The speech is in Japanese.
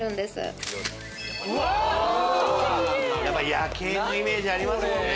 夜景のイメージありますもんね